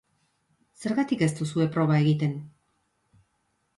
Zergatik ez duzue proba egiten?